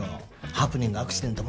ハプニングアクシデント